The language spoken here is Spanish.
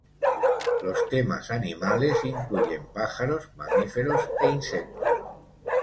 Los temas animales incluyen pájaros, mamíferos, e insectos.